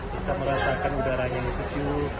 bisa merasakan udara yang sejuk